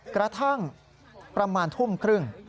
กระทั่งประมาณทุ่มครึ่ง